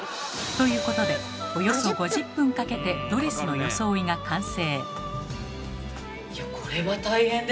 ということでおよそ５０分かけてドレスの装いが完成。